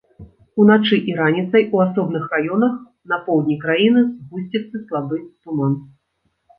Уначы і раніцай у асобных раёнах на поўдні краіны згусціцца слабы туман.